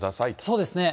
そうですね。